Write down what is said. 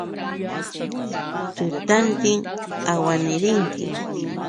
Tutantin awaniriki.